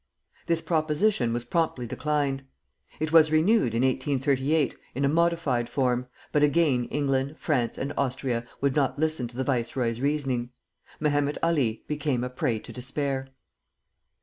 This proposition was promptly declined. It was renewed, in 1838, in a modified form, but again England, France, and Austria would not listen to the viceroy's reasoning. Mehemet Ali became a prey to despair.